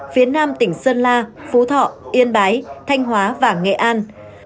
phía nam tỉnh sơn la phú thọ yên bái thanh hóa và nghệ an